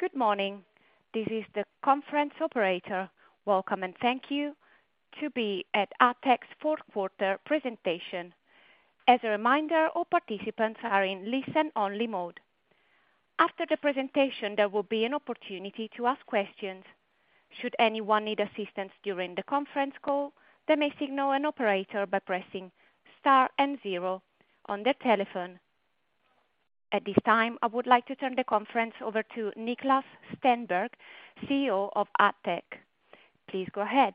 Good morning. This is the conference operator. Welcome, and thank you to be at Addtech's fourth quarter presentation. As a reminder, all participants are in listen-only mode. After the presentation, there will be an opportunity to ask questions. Should anyone need assistance during the conference call, they may signal an operator by pressing star and zero on their telephone. At this time, I would like to turn the conference over to Niklas Stenberg, CEO of Addtech. Please go ahead.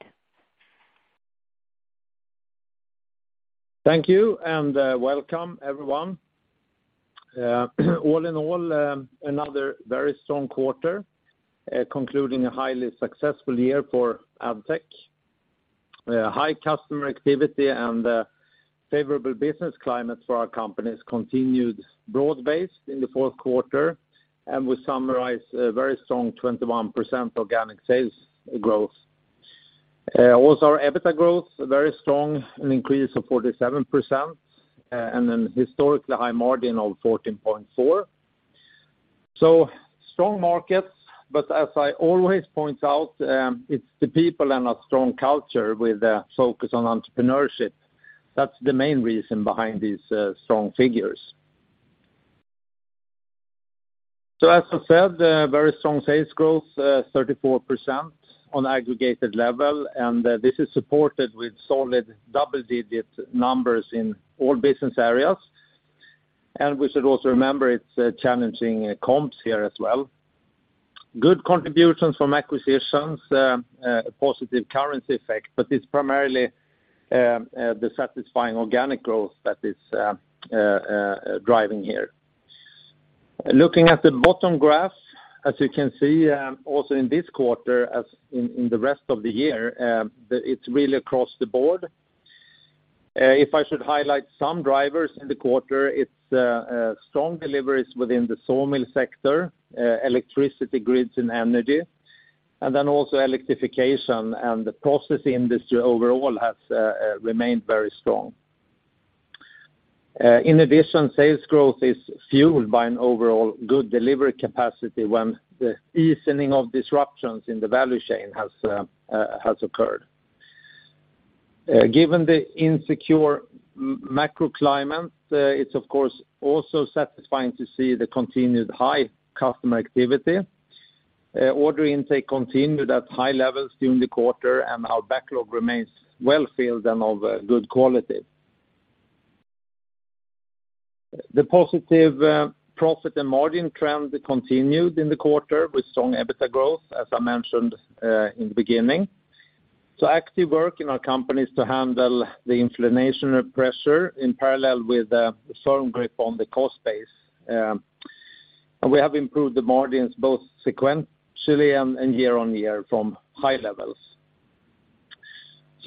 Thank you, welcome, everyone. All in all, another very strong quarter, concluding a highly successful year for Addtech. High customer activity and favorable business climate for our companies continued broad-based in the fourth quarter, and we summarize a very strong 21% organic sales growth. Our EBITDA growth, very strong, an increase of 47%, and then historically high margin of 14.4%. Strong markets, as I always point out, it's the people and a strong culture with a focus on entrepreneurship that's the main reason behind these strong figures. As I said, a very strong sales growth, 34% on aggregated level, and this is supported with solid double-digit numbers in all business areas. We should also remember it's challenging comps here as well. Good contributions from acquisitions, positive currency effect, but it's primarily the satisfying organic growth that is driving here. Looking at the bottom graph, as you can see, also in this quarter, as in the rest of the year, it's really across the board. If I should highlight some drivers in the quarter, it's strong deliveries within the sawmill sector, electricity grids and energy, and then also electrification and the processing industry overall has remained very strong. In addition, sales growth is fueled by an overall good delivery capacity when the easing of disruptions in the value chain has occurred. Given the insecure macro climate, it's of course also satisfying to see the continued high customer activity. Order intake continued at high levels during the quarter, and our backlog remains well-filled and of good quality. The positive profit and margin trend continued in the quarter with strong EBITDA growth, as I mentioned in the beginning. Active work in our company is to handle the inflation of pressure in parallel with a firm grip on the cost base, and we have improved the margins both sequentially and year-on-year from high levels.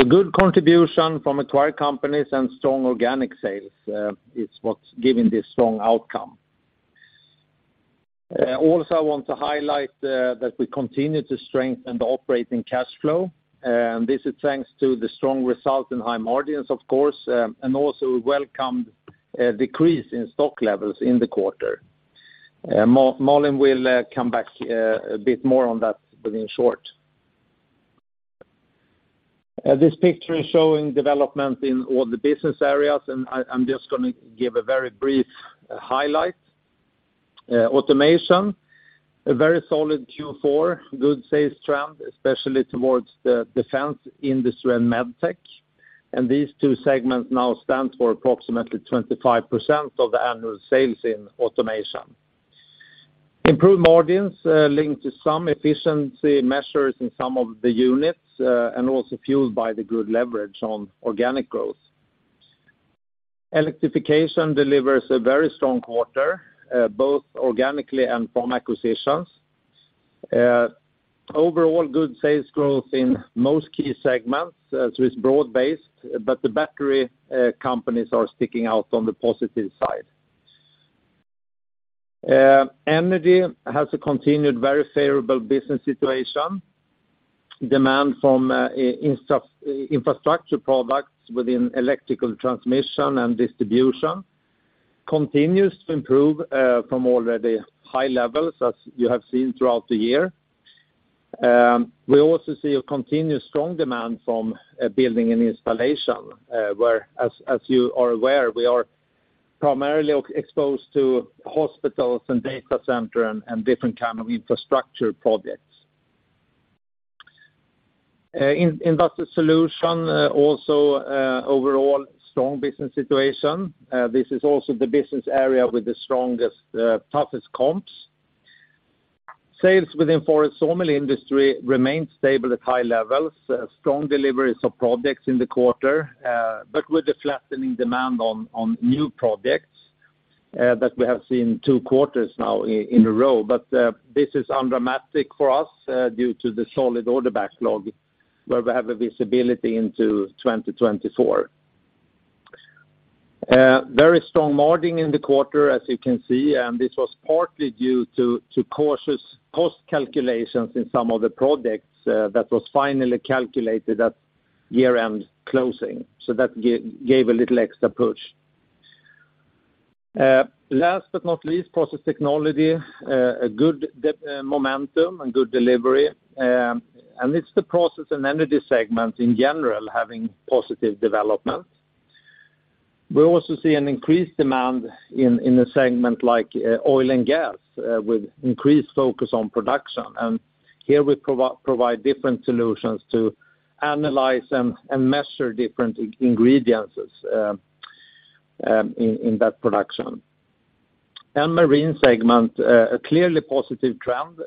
Good contribution from acquired companies and strong organic sales is what's giving this strong outcome. Also I want to highlight that we continue to strengthen the operating cash flow, and this is thanks to the strong results in high margins, of course, and also a welcomed decrease in stock levels in the quarter. Malin will come back a bit more on that within short. This picture is showing development in all the business areas, and I'm just gonna give a very brief highlight. Automation, a very solid Q4, good sales trend, especially towards the defense industry and med tech. These two segments now stand for approximately 25% of the annual sales in automation. Improved margins, linked to some efficiency measures in some of the units, and also fueled by the good leverage on organic growth. Electrification delivers a very strong quarter, both organically and from acquisitions. Overall good sales growth in most key segments, so it's broad-based, but the battery companies are sticking out on the positive side. Energy has a continued very favorable business situation. Demand from infrastructure products within electrical transmission and distribution continues to improve from already high levels, as you have seen throughout the year. We also see a continuous strong demand from building and installation, where as you are aware, we are primarily exposed to hospitals and data center and different kind of infrastructure projects. In Industrial Solutions, also, overall strong business situation. This is also the business area with the strongest, toughest comps. Sales within forest sawmill industry remain stable at high levels. Strong deliveries of projects in the quarter, but with a flattening demand on new projects that we have seen two quarters now in a row. This is undramatic for us due to the solid order backlog, where we have a visibility into 2024. Very strong margin in the quarter, as you can see, and this was partly due to cautious cost calculations in some of the projects that was finally calculated at year-end closing. That gave a little extra push. Last but not least, process technology, a good momentum and good delivery. It's the process and energy segment in general having positive development. We also see an increased demand in a segment like oil and gas, with increased focus on production. Here we provide different solutions to analyze and measure different ingredients in that production. Marine segment, a clearly positive trend,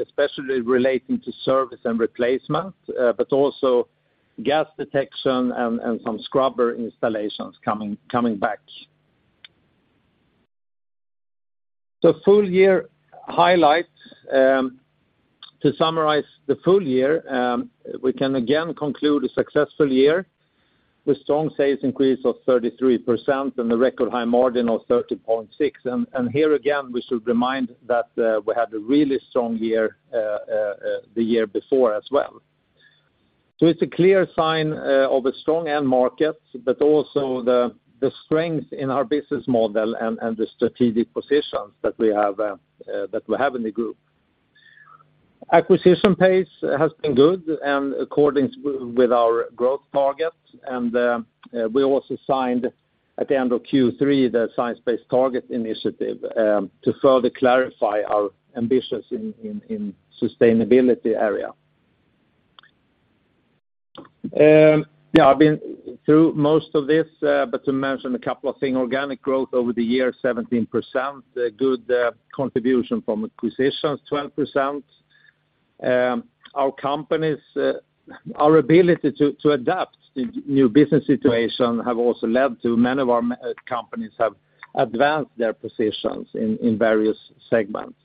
especially relating to service and replacement, but also gas detection and some scrubber installations coming back. Full year highlights, to summarize the full year, we can again conclude a successful year with strong sales increase of 33% and a record high margin of 30.6%. Here again, we should remind that we had a really strong year the year before as well. It's a clear sign of a strong end market, but also the strength in our business model and the strategic positions that we have in the group. Acquisition pace has been good and accordance with our growth targets. We also signed at the end of Q3 the Science Based Targets initiative to further clarify our ambitions in sustainability area. Yeah, I've been through most of this, but to mention a couple of thing, organic growth over the year, 17%, a good contribution from acquisitions, 12%. Our companies, our ability to adapt to new business situation have also led to many of our companies have advanced their positions in various segments.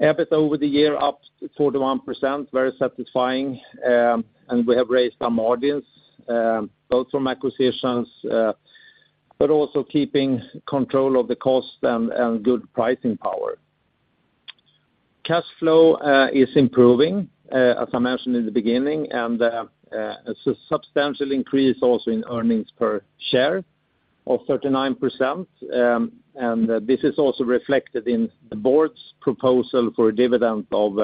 EBIT over the year up 41%, very satisfying, and we have raised some margins, both from acquisitions, but also keeping control of the cost and good pricing power. Cash flow is improving, as I mentioned in the beginning, and a substantial increase also in earnings per share of 39%. This is also reflected in the board's proposal for a dividend of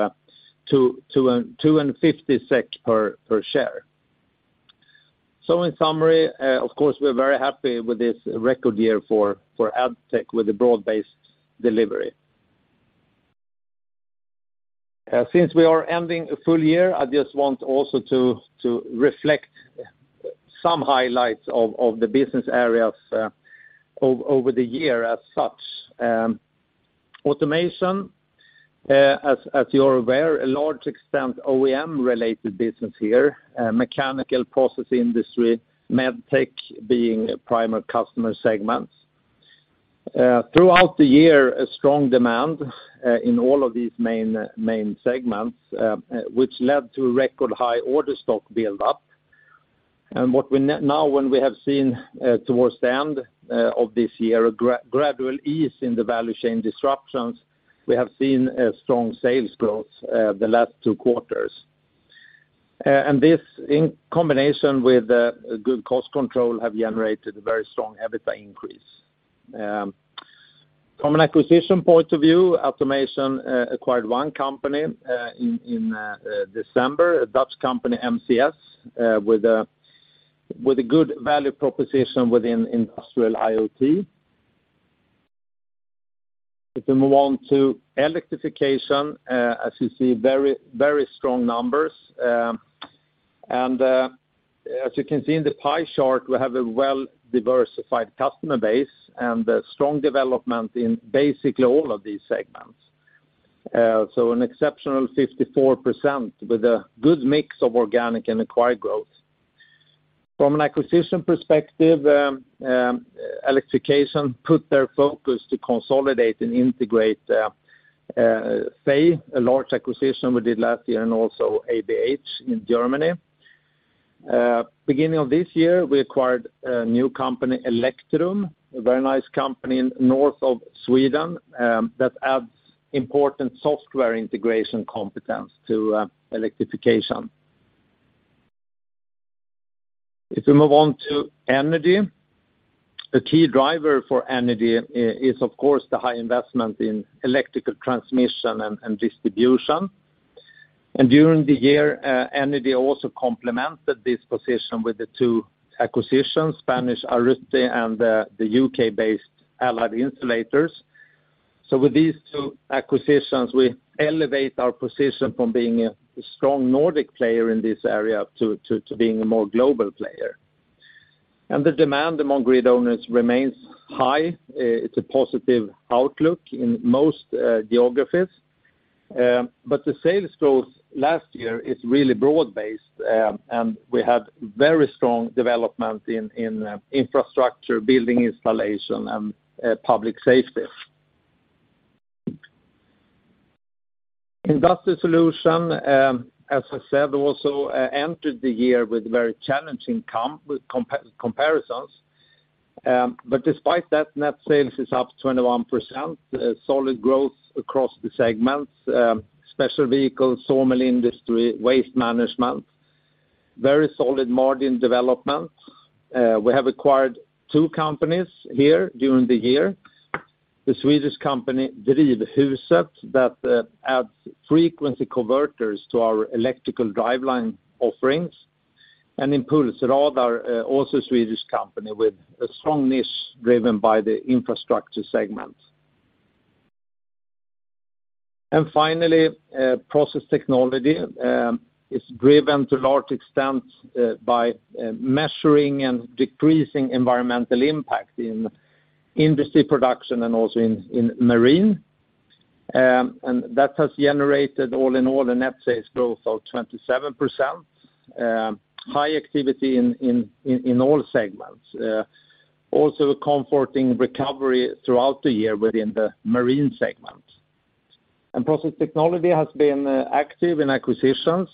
250 SEK per share. In summary, of course, we're very happy with this record year for Addtech with a broad-based delivery. Since we are ending a full year, I just want also to reflect some highlights of the business areas over the year as such. Automation, as you're aware, a large extent OEM related business here, mechanical process industry, Medtech being primary customer segments. Throughout the year, a strong demand in all of these main segments, which led to record high order stock buildup. What we now, when we have seen, towards the end of this year, a gradual ease in the value chain disruptions, we have seen a strong sales growth the last two quarters. This in combination with good cost control have generated a very strong EBITDA increase. From an acquisition point of view, automation acquired one company in December, a Dutch company, MCS, with a good value proposition within industrial IoT. If we move on to electrification, as you see, very, very strong numbers. As you can see in the pie chart, we have a well-diversified customer base and a strong development in basically all of these segments. An exceptional 54% with a good mix of organic and acquired growth. From an acquisition perspective, electrification put their focus to consolidate and integrate Fey, a large acquisition we did last year, and also ABH in Germany. Beginning of this year, we acquired a new company, Electrum, a very nice company north of Sweden, that adds important software integration competence to electrification. If we move on to energy, the key driver for energy is of course the high investment in electrical transmission and distribution. During the year, energy also complemented this position with the two acquisitions, Spanish Arruti and the U.K.-based Allied Insulators. With these two acquisitions, we elevate our position from being a strong Nordic player in this area to being a more global player. The demand among grid owners remains high. It's a positive outlook in most geographies. The sales growth last year is really broad-based, and we have very strong development in infrastructure, building installation, and public safety. Industrial solution, as I said, also entered the year with very challenging comparisons. Despite that, net sales is up 21%, solid growth across the segments, special vehicles, thermal industry, waste management. Very solid margin development. We have acquired two companies here during the year. The Swedish company, Drivhuset, that adds frequency converters to our electrical driveline offerings, and ImpulseRadar, also Swedish company with a strong niche driven by the infrastructure segment. Finally, process technology is driven to large extent by measuring and decreasing environmental impact in industry production and also in marine. That has generated all in all a net sales growth of 27%. High activity in all segments. Also a comforting recovery throughout the year within the marine segment. Process technology has been active in acquisitions,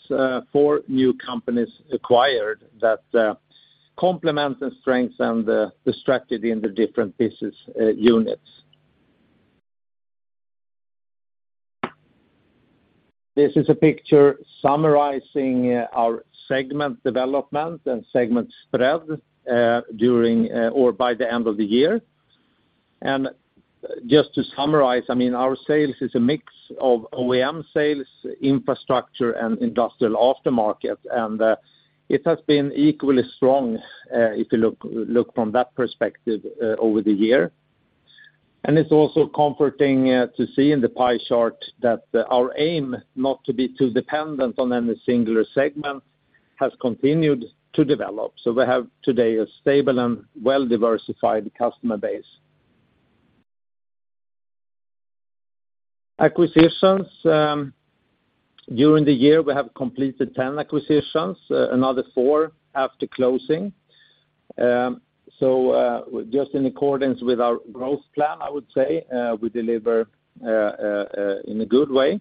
four new companies acquired that complement the strengths and the strategy in the different business units. This is a picture summarizing our segment development and segment spread during or by the end of the year. Just to summarize, I mean, our sales is a mix of OEM sales, infrastructure, and industrial aftermarket. It has been equally strong, if you look from that perspective, over the year. It's also comforting to see in the pie chart that our aim not to be too dependent on any singular segment has continued to develop. We have today a stable and well-diversified customer base. Acquisitions, during the year, we have completed 10 acquisitions, another four after closing. Just in accordance with our growth plan, I would say, we deliver in a good way.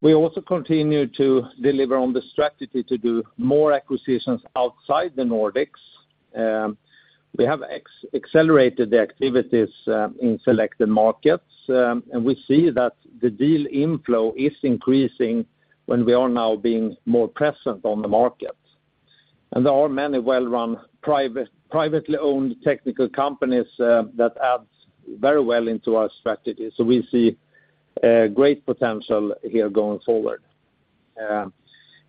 We also continue to deliver on the strategy to do more acquisitions outside the Nordics. We have accelerated the activities in selected markets, and we see that the deal inflow is increasing when we are now being more present on the market. There are many well-run private, privately owned technical companies that adds very well into our strategy. We see great potential here going forward.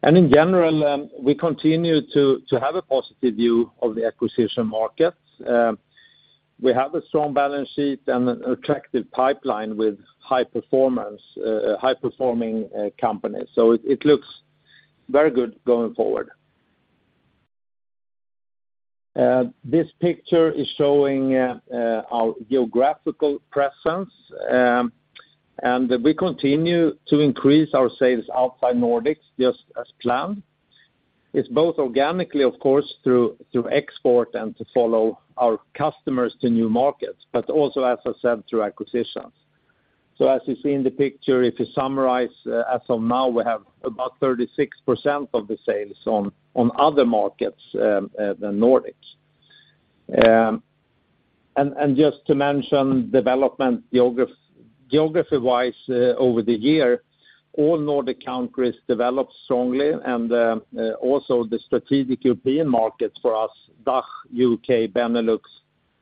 In general, we continue to have a positive view of the acquisition market. We have a strong balance sheet and an attractive pipeline with high performance, high-performing companies. It looks very good going forward. This picture is showing our geographical presence. We continue to increase our sales outside Nordics just as planned. It's both organically, of course, through export and to follow our customers to new markets, but also as I said, through acquisitions. As you see in the picture, if you summarize, as of now, we have about 36% of the sales on other markets than Nordics. Just to mention development geography-wise over the year, all Nordic countries developed strongly and also the strategic European markets for us, DACH, U.K., Benelux,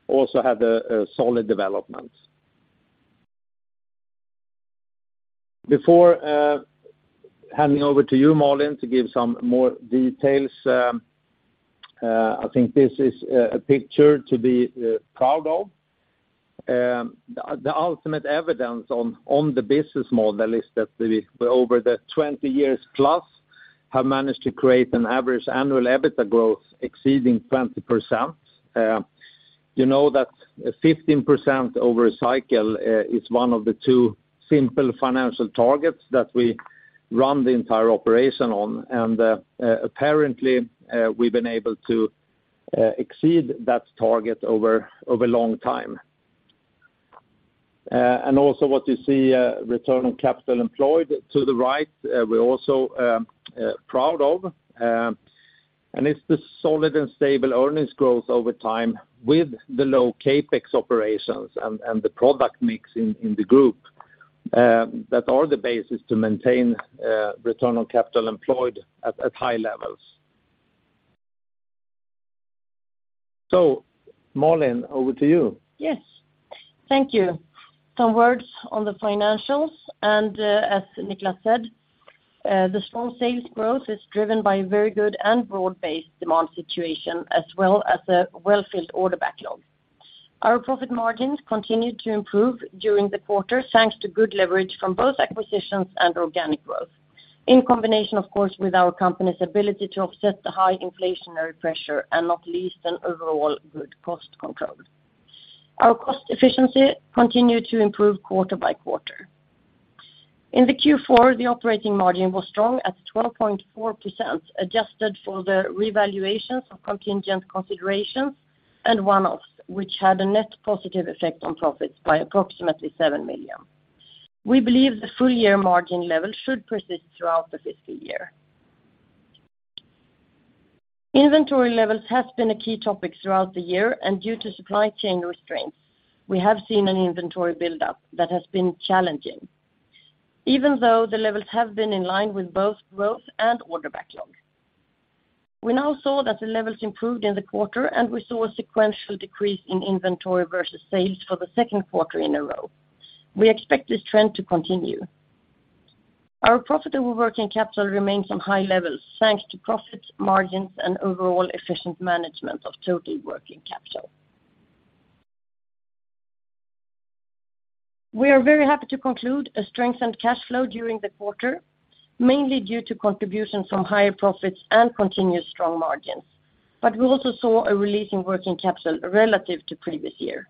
also had a solid development. Before handing over to you, Malin, to give some more details, I think this is a picture to be proud of. The ultimate evidence on the business model is that we, over the 20 years+, have managed to create an average annual EBITDA growth exceeding 20%. You know that 15% over a cycle is one of the two simple financial targets that we run the entire operation on. Apparently, we've been able to exceed that target over long time. Also what you see, return on capital employed to the right, we're also proud of. It's the solid and stable earnings growth over time with the low CapEx operations and the product mix in the group that are the basis to maintain Return on Capital Employed at high levels. Malin, over to you. Yes. Thank you. Some words on the financials, and as Niklas said, the strong sales growth is driven by very good and broad-based demand situation as well as a well-filled order backlog. Our profit margins continued to improve during the quarter, thanks to good leverage from both acquisitions and organic growth. In combination, of course, with our company's ability to offset the high inflationary pressure, and not least an overall good cost control. Our cost efficiency continued to improve quarter by quarter. In the Q4, the operating margin was strong at 12.4%, adjusted for the revaluations of contingent considerations and one-offs, which had a net positive effect on profits by approximately 7 million. We believe the full year margin level should persist throughout the fiscal year. Inventory levels have been a key topic throughout the year, and due to supply chain restraints, we have seen an inventory buildup that has been challenging, even though the levels have been in line with both growth and order backlog. We now saw that the levels improved in the quarter, and we saw a sequential decrease in inventory versus sales for the second quarter in a row. We expect this trend to continue. Our profitable working capital remains on high levels, thanks to profits, margins, and overall efficient management of total working capital. We are very happy to conclude a strengthened cash flow during the quarter, mainly due to contributions from higher profits and continuous strong margins. We also saw a release in working capital relative to previous year.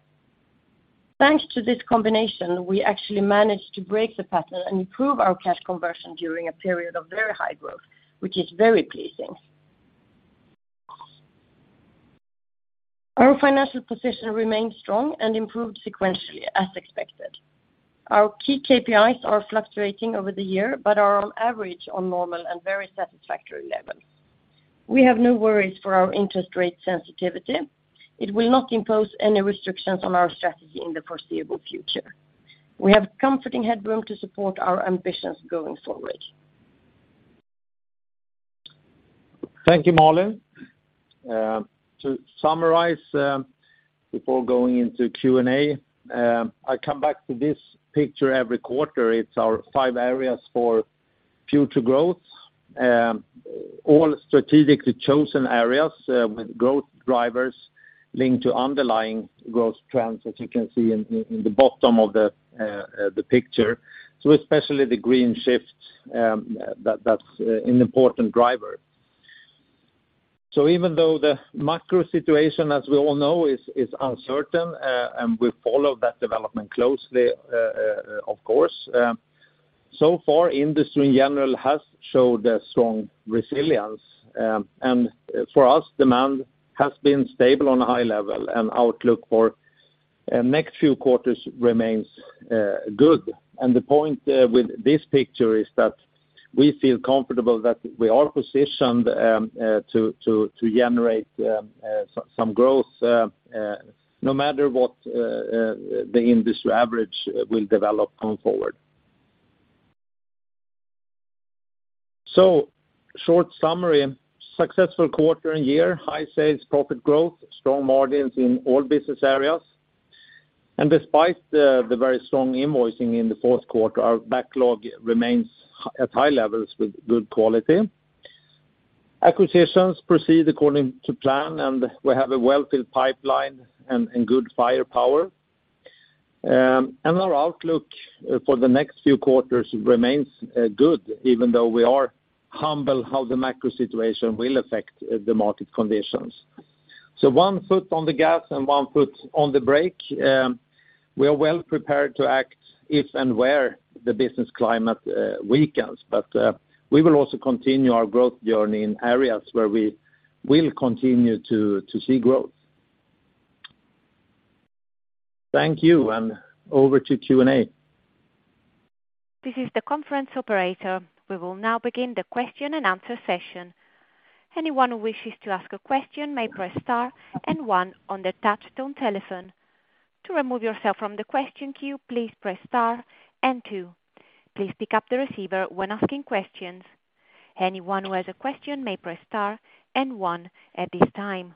Thanks to this combination, we actually managed to break the pattern and improve our cash conversion during a period of very high growth, which is very pleasing. Our financial position remains strong and improved sequentially as expected. Our key KPIs are fluctuating over the year, but are on average on normal and very satisfactory levels. We have no worries for our interest rate sensitivity. It will not impose any restrictions on our strategy in the foreseeable future. We have comforting headroom to support our ambitions going forward. Thank you, Malin. To summarize, before going into Q&A, I come back to this picture every quarter. It's our five areas for future growth, all strategically chosen areas, with growth drivers linked to underlying growth trends, as you can see in the bottom of the picture. Especially the green shift, that's an important driver. Even though the macro situation, as we all know, is uncertain, and we follow that development closely, of course, so far industry in general has showed a strong resilience. For us, demand has been stable on a high level, and outlook for next few quarters remains good. The point with this picture is that we feel comfortable that we are positioned to generate some growth no matter what the industry average will develop going forward. Short summary, successful quarter and year, high sales profit growth, strong margins in all business areas. Despite the very strong invoicing in the fourth quarter, our backlog remains at high levels with good quality. Acquisitions proceed according to plan, and we have a well-filled pipeline and good firepower. Our outlook for the next few quarters remains good even though we are humble how the macro situation will affect the market conditions. One foot on the gas and one foot on the brake, we are well prepared to act if and where the business climate weakens. We will also continue our growth journey in areas where we will continue to see growth. Thank you, and over to Q&A. This is the conference operator. We will now begin the question-and-answer session. Anyone who wishes to ask a question may press star and one on their touch-tone telephone. To remove yourself from the question queue, please press star and two. Please pick up the receiver when asking questions. Anyone who has a question may press star and one at this time.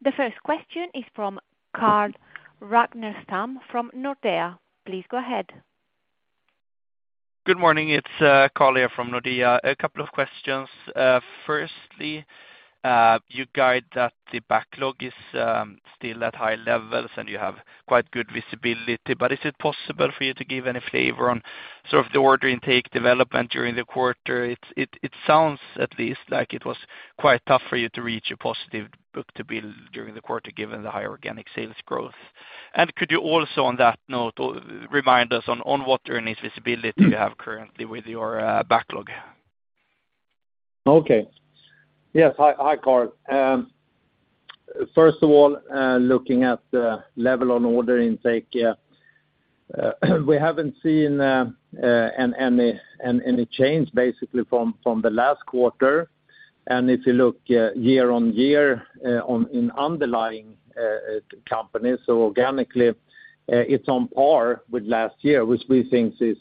The first question is from Carl Ragnerstam from Nordea. Please go ahead. Good morning. It's Carl here from Nordea. A couple of questions. Firstly, you guide that the backlog is still at high levels and you have quite good visibility, but is it possible for you to give any flavor on sort of the order intake development during the quarter? It sounds at least like it was quite tough for you to reach a positive book-to-bill during the quarter given the higher organic sales growth. Could you also, on that note, remind us on what earnings visibility you have currently with your backlog? Okay. Yes. Hi, hi, Carl. First of all, looking at the level on order intake, we haven't seen any change basically from the last quarter. If you look year-on-year in underlying companies, organically, it's on par with last year, which we think is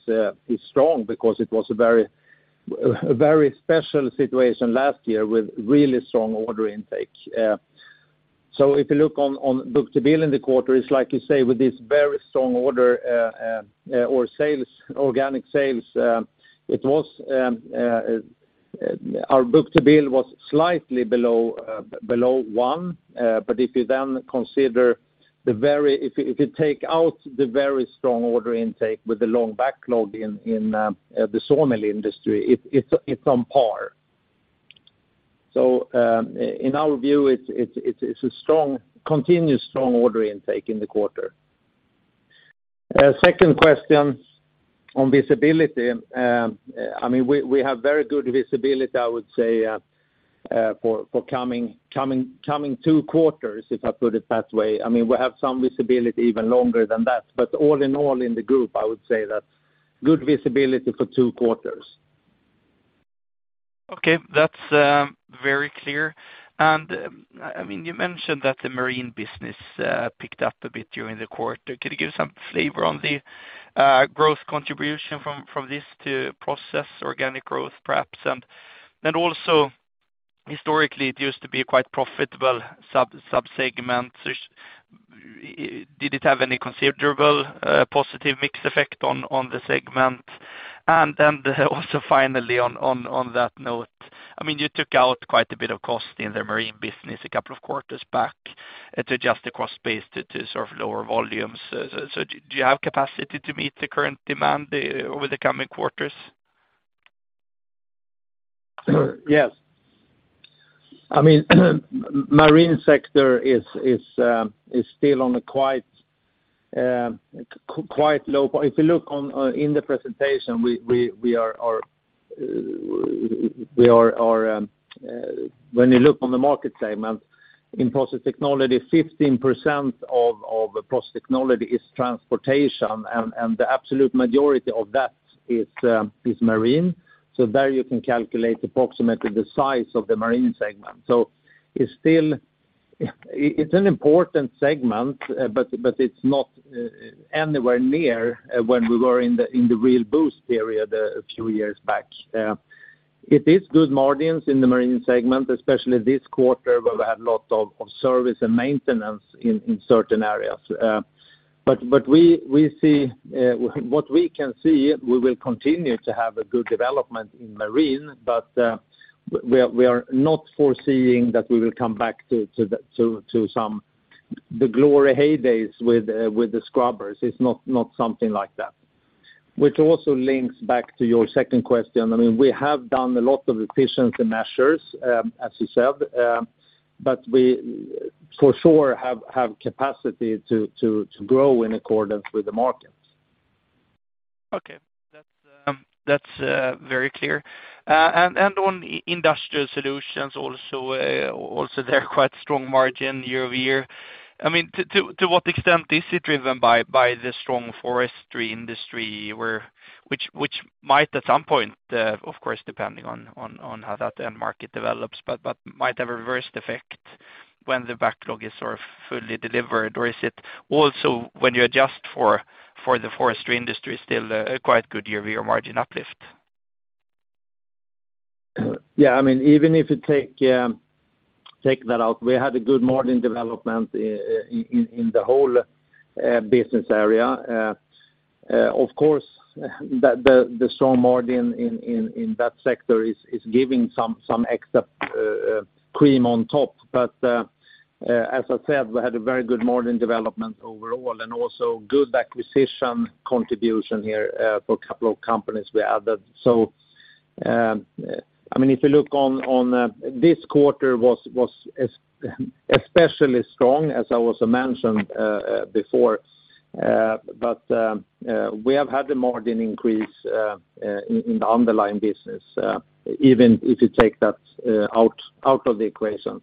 strong because it was a very special situation last year with really strong order intake. If you look on book-to-bill in the quarter, it's like you say with this very strong order or sales, organic sales, it was our book-to-bill was slightly below one. If you then consider the very... If you take out the very strong order intake with the long backlog in the sawmill industry, it's on par. In our view, it's a strong, continuous strong order intake in the quarter. Second question on visibility. I mean, we have very good visibility, I would say, for coming two quarters, if I put it that way. I mean, we have some visibility even longer than that. All in all in the group, I would say that. Good visibility for two quarters. Okay, that's very clear. I mean, you mentioned that the marine business picked up a bit during the quarter. Could you give some flavor on the growth contribution from this to process organic growth perhaps? Also historically it used to be a quite profitable sub-segment. Did it have any considerable positive mix effect on the segment? Also finally on that note, I mean, you took out quite a bit of cost in the marine business a couple of quarters back to adjust the cost base to sort of lower volumes. Do you have capacity to meet the current demand over the coming quarters? Yes. I mean, marine sector is still on a quite low point. If you look on in the presentation we are when you look on the market segment in process technology, 15% of process technology is transportation and the absolute majority of that is marine. There you can calculate approximately the size of the marine segment. It's still. It's an important segment, but it's not anywhere near when we were in the real boost period a few years back. It is good margins in the marine segment, especially this quarter where we had lots of service and maintenance in certain areas. We see what we can see, we will continue to have a good development in marine, but we are not foreseeing that we will come back to the glory heydays with the scrubbers. It's not something like that. Which also links back to your second question. I mean, we have done a lot of efficiency measures, as you said, we for sure have capacity to grow in accordance with the markets. Okay. That's, that's very clear. On industrial solutions also they're quite strong margin year-over-year. I mean, to what extent is it driven by the strong forestry industry where Which might at some point, of course depending on how that end market develops, but might have a reverse effect when the backlog is sort of fully delivered, or is it also when you adjust for the forestry industry still a quite good year-over-year margin uplift? Yeah. I mean, even if you take that out, we had a good margin development in the whole business area. Of course, the strong margin in that sector is giving some extra cream on top. As I said, we had a very good margin development overall and also good acquisition contribution here for a couple of companies we added. I mean, if you look on this quarter was especially strong, as I also mentioned before. We have had the margin increase in the underlying business, even if you take that out of the equation.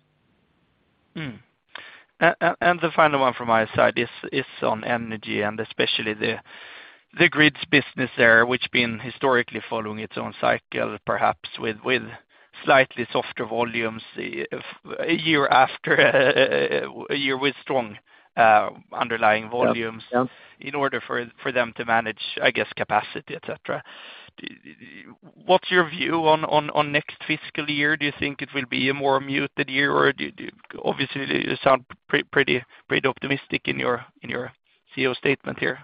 The final one from my side is on energy and especially the grids business there, which been historically following its own cycle, perhaps with slightly softer volumes a year after a year with strong underlying volumes. Yeah. Yeah. in order for them to manage, I guess, capacity, et cetera. What's your view on next fiscal year? Do you think it will be a more muted year, or do... Obviously you sound pretty optimistic in your CEO statement here.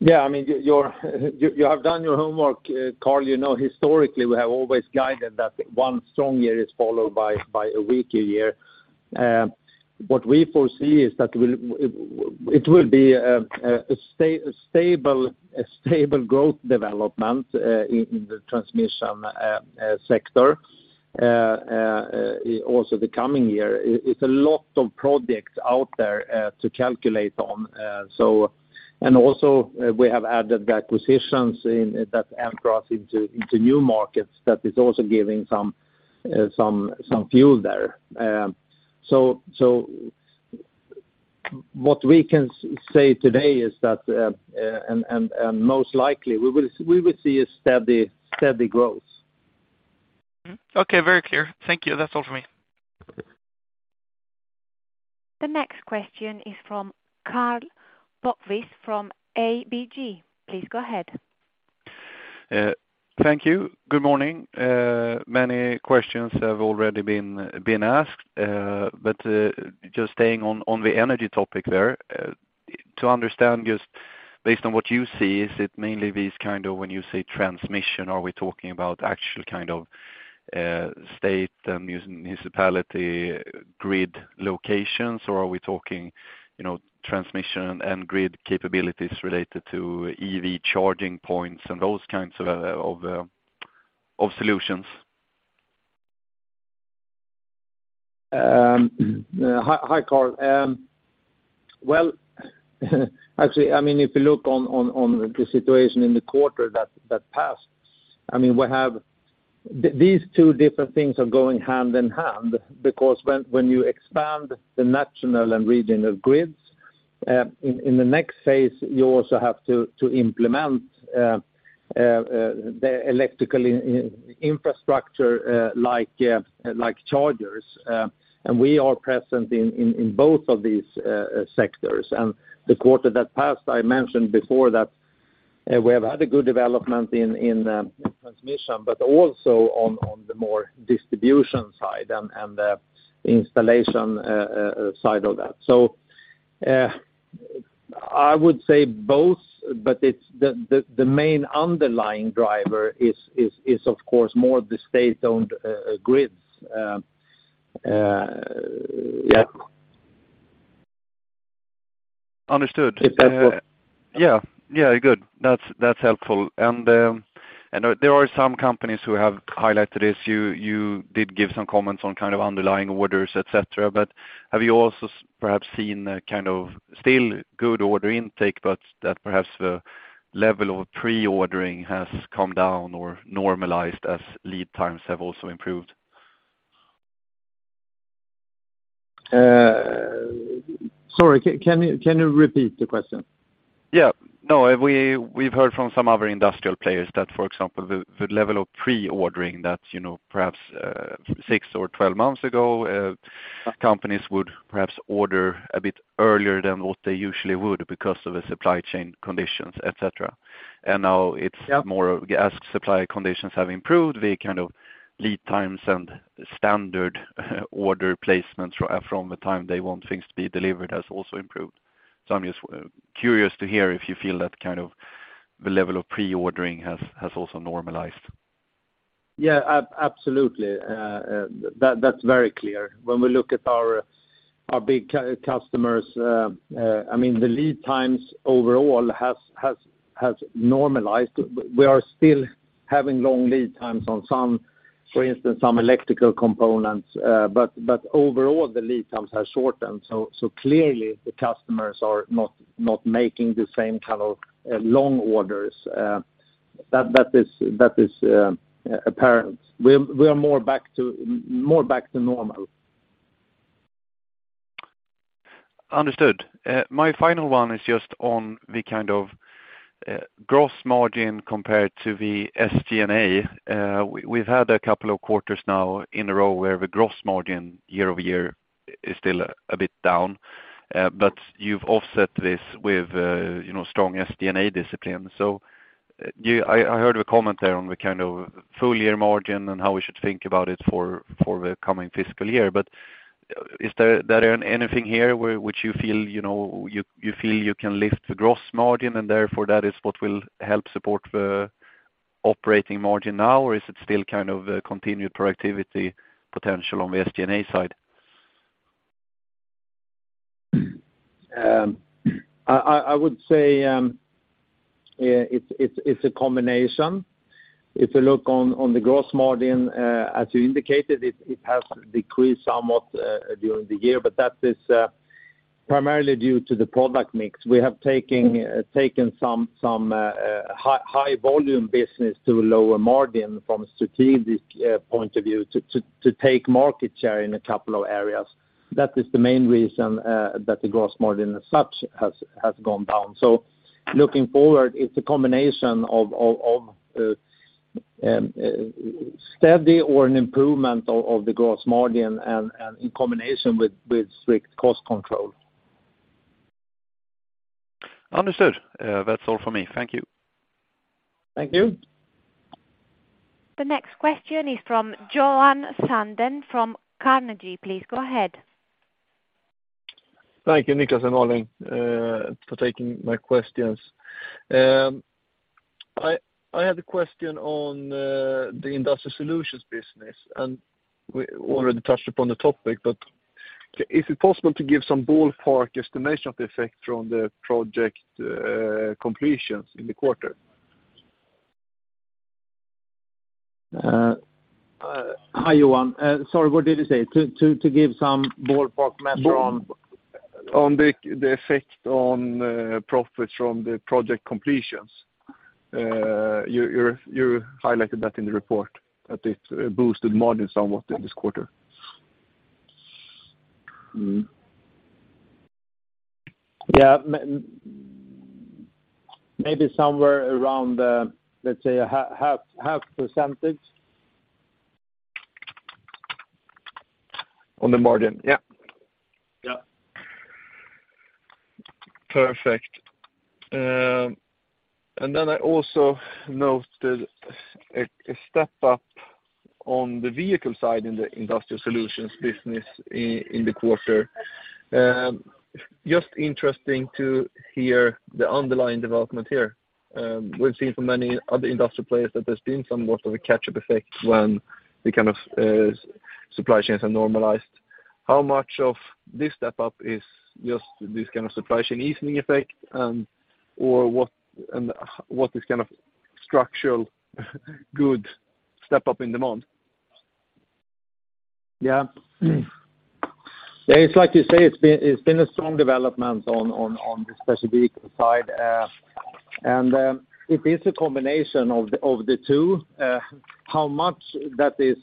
Yeah. I mean, you have done your homework, Carl. You know, historically, we have always guided that one strong year is followed by a weaker year. What we foresee is that we'll be a stable growth development in the transmission sector also the coming year. It's a lot of projects out there to calculate on. Also, we have added the acquisitions that enter us into new markets that is also giving some fuel there. What we can say today is that and most likely we will see a steady growth. Mm-hmm. Okay. Very clear. Thank you. That's all for me. The next question is from Karl Bokvist from ABG. Please go ahead. Thank you. Good morning. Many questions have already been asked. Just staying on the energy topic there. To understand just based on what you see, is it mainly these kind of when you say transmission, are we talking about actual kind of, state and municipality grid locations? Or are we talking, you know, transmission and grid capabilities related to EV charging points and those kinds of solutions? Hi, Karl. Well, actually, I mean, if you look on the situation in the quarter that passed, I mean, we have these two different things are going hand in hand because when you expand the national and regional grids in the next phase, you also have to implement the electrical infrastructure like chargers. We are present in both of these sectors. The quarter that passed, I mentioned before that we have had a good development in transmission, but also on the more distribution side and the installation side of that. I would say both, but it's the main underlying driver is of course more the state-owned grids. Understood. Is that helpful? Yeah. Yeah, good. That's, that's helpful. There are some companies who have highlighted this. You, you did give some comments on kind of underlying orders, et cetera, but have you also perhaps seen a kind of still good order intake, but that perhaps the level of pre-ordering has come down or normalized as lead times have also improved? Sorry, can you repeat the question? Yeah. No, we've heard from some other industrial players that, for example, the level of pre-ordering that, you know, perhaps, 6 or 12 months ago, companies would perhaps order a bit earlier than what they usually would because of the supply chain conditions, et cetera. Now it's- Yeah. more of, as supply conditions have improved, the kind of lead times and standard order placements from the time they want things to be delivered has also improved. I'm just curious to hear if you feel that kind of the level of pre-ordering has also normalized. Absolutely. That's very clear. When we look at our big customers, I mean, the lead times overall has normalized. We are still having long lead times on some, for instance, some electrical components. Overall, the lead times have shortened. Clearly the customers are not making the same kind of long orders. That is apparent. We are more back to normal. Understood. My final one is just on the kind of gross margin compared to the SG&A. We've had a couple of quarters now in a row where the gross margin year-over-year is still a bit down, but you've offset this with, you know, strong SG&A discipline. I heard a comment there on the kind of full year margin and how we should think about it for the coming fiscal year. Is there anything here which you feel, you know, you feel you can lift the gross margin and therefore that is what will help support the operating margin now, or is it still kind of a continued productivity potential on the SG&A side? I would say it's a combination. If you look on the gross margin, as you indicated, it has decreased somewhat during the year, but that is primarily due to the product mix. We have taken some high volume business to a lower margin from a strategic point of view to take market share in a couple of areas. That is the main reason that the gross margin as such has gone down. Looking forward, it's a combination of all steady or an improvement of the gross margin and in combination with strict cost control. Understood. That's all for me. Thank you. Thank you. The next question is from Johan Sundén from Carnegie. Please go ahead. Thank you, Niklas and Malin Enarson, for taking my questions. I had a question on the industrial solutions business, and we already touched upon the topic, but is it possible to give some ballpark estimation of the effect from the project completions in the quarter? Hi, Johan. Sorry, what did you say? To give some ballpark measure on... On the effect on profits from the project completions. You highlighted that in the report that it boosted margin somewhat in this quarter. Yeah. Maybe somewhere around, let's say 1/2 percentage. On the margin? Yeah. Yeah. Perfect. Then I also noted a step up on the vehicle side in the industrial solutions business in the quarter. Just interesting to hear the underlying development here. We've seen from many other industrial players that there's been somewhat of a catch-up effect when the kind of supply chains are normalized. How much of this step-up is just this kind of supply chain easing effect, or what, and what is kind of structural good step-up in demand? Yeah. It's like you say, it's been a strong development on the special vehicle side. It is a combination of the two, how much that is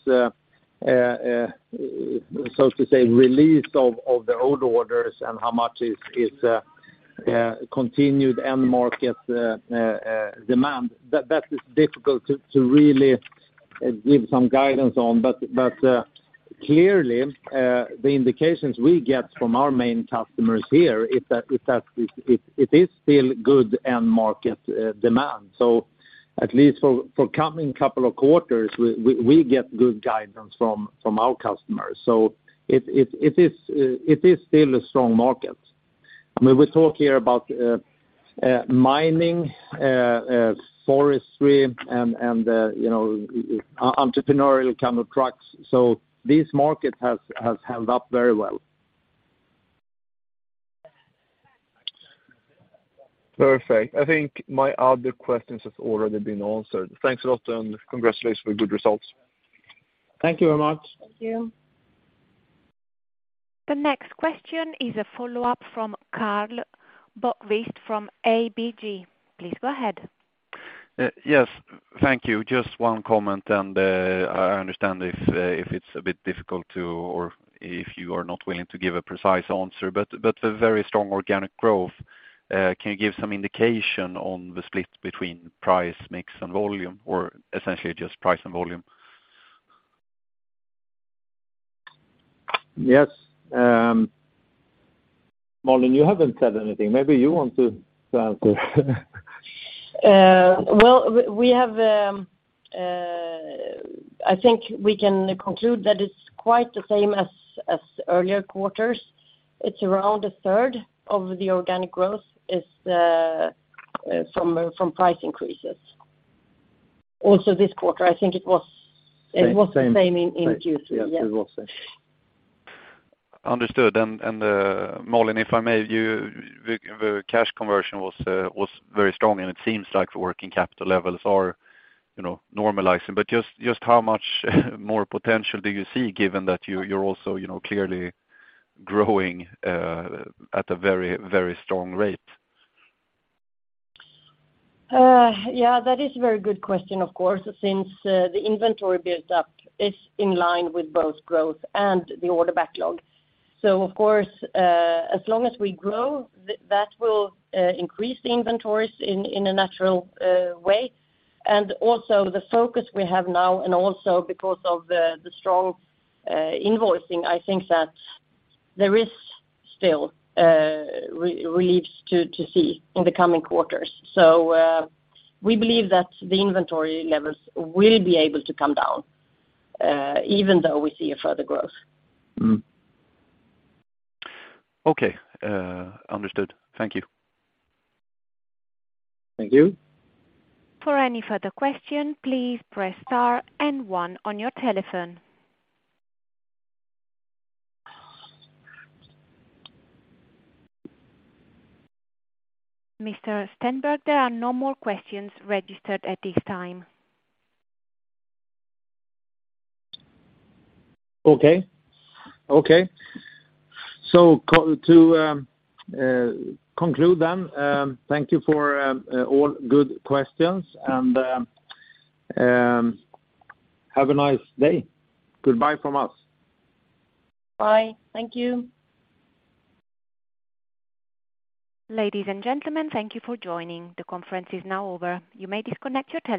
so to say, released of the old orders and how much is continued end market demand. That is difficult to really give some guidance on. Clearly, the indications we get from our main customers here is that it is still good end market demand. At least for coming couple of quarters, we get good guidance from our customers. It is still a strong market. I mean, we talk here about mining, forestry and, you know, entrepreneurial kind of trucks. This market has held up very well. Perfect. I think my other questions has already been answered. Thanks a lot. Congratulations for good results. Thank you very much. Thank you. The next question is a follow-up from Karl Bokvist from ABG. Please go ahead. Yes. Thank you. Just one comment, I understand if it's a bit difficult to, or if you are not willing to give a precise answer, but a very strong organic growth. Can you give some indication on the split between price mix and volume or essentially just price and volume? Yes. Malin, you haven't said anything. Maybe you want to answer. Well, we have, I think we can conclude that it's quite the same as earlier quarters. It's around 1/3 of the organic growth is from price increases. Also this quarter, I think it was. Same. Same. It was the same in Q3. Yes, it was same. Understood. Malin, if I may, the cash conversion was very strong, and it seems like the working capital levels are, you know, normalizing. Just how much more potential do you see given that you're also, you know, clearly growing at a very strong rate? Yeah, that is a very good question, of course, since the inventory built up is in line with both growth and the order backlog. Of course, as long as we grow, that will increase the inventories in a natural way. Also the focus we have now and also because of the strong invoicing, I think that there is still relieves to see in the coming quarters. We believe that the inventory levels will be able to come down, even though we see a further growth. Okay. Understood. Thank you. Thank you. For any further question, please press star and one on your telephone. Mr. Stenberg, there are no more questions registered at this time. Okay. To conclude then, thank you for all good questions. Have a nice day. Goodbye from us. Bye. Thank you. Ladies and gentlemen, thank you for joining. The conference is now over. You may disconnect your telephones.